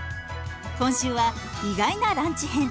今週は意外なランチ編。